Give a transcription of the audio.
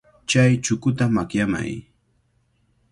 Chay chukuta makyamay.